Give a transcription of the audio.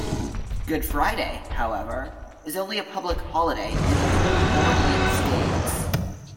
Good Friday, however, is only a public holiday in the two Bornean states.